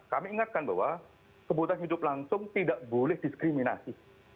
kami ingatkan bahwa kebutuhan hidup langsung tidak boleh diskriminasi